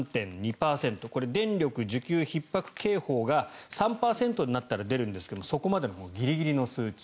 電力需給ひっ迫警報が３％になったら出るんですけどもそこまでのギリギリの数字。